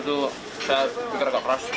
ini tuh saya pikir nggak keras